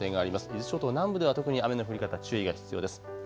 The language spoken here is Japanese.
伊豆諸島南部では特に雨の降り方、注意が必要です。